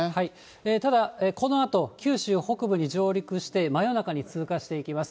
ただこのあと、九州北部に上陸して、真夜中に通過していきます。